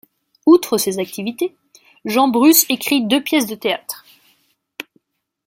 Outre ces activités, Jean Bruce écrit deux pièces de théâtre.